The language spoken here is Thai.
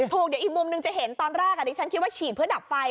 ถูกเดี๋ยวอีกมุมนึงจะเห็นตอนแรกอันนี้ฉันคิดว่าชีดเพื่อดับไฟ